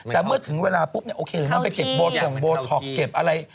แต่เมื่อถึงเวลาปุ๊บเนี่ยโอเคมันไปเก็บโบทงโบท็อกเก็บอะไร